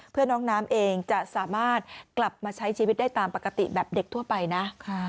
เพื่อน้องน้ำเองจะสามารถกลับมาใช้ชีวิตได้ตามปกติแบบเด็กทั่วไปนะ